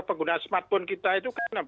pengguna smartphone kita itu kan